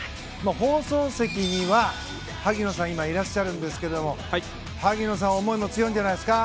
放送席には萩野さんが今、いらっしゃるんですが萩野さん思いも強いんじゃないですか？